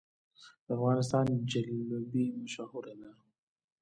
د افغانستان جلبي مشهوره ده